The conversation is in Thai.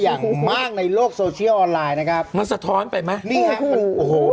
อย่างมากในโลกโซเชียลออนไลน์นะครับมันสะท้อนไปไหมนี่ฮะมันโอ้โห